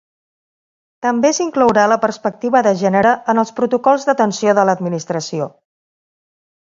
També s'inclourà la perspectiva de gènere en els protocols d'atenció de l'administració.